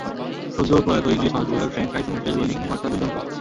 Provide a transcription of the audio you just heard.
সদ্য প্রয়াত English fast bowler Frank টাইসনের টেস্ট বোলিং গড়টা দুর্দান্ত।